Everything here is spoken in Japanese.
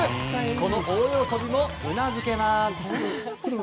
この大喜びも、うなずけます。